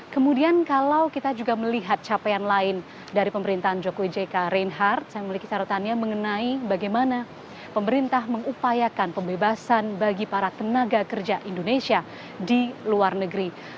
kemudian kalau kita juga melihat capaian lain dari pemerintahan jokowi jk reinhardt saya memiliki syaratannya mengenai bagaimana pemerintah mengupayakan pembebasan bagi para tenaga kerja indonesia di luar negeri